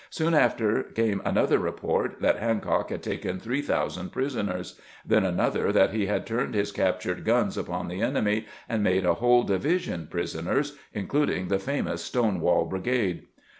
Soon after came another report that Hancock had taken three thousand prisoners ; then another that he had turned his captured guns upon the enemy and made a whole division prisoners, including the famous Stonewall Bri gade.